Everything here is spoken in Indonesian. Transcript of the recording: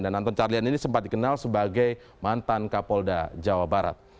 dan anton carlyan ini sempat dikenal sebagai mantan kapolda jawa barat